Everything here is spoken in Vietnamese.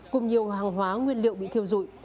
cùng nhiều hàng hóa nguyên liệu bị thiêu dụi